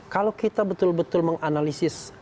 kalau kita betul betul menganalisis